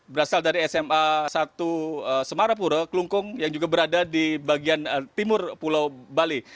berasal dari sma satu semarapura kelungkung yang juga berada di bagian timur pulau bali